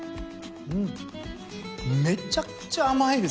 めちゃくちゃ甘いですね。